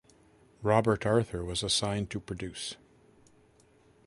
Robert Arthur was assigned to produce.